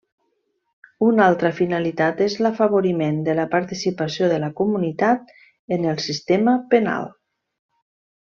Una altra finalitat és l'afavoriment de la participació de la comunitat en el sistema penal.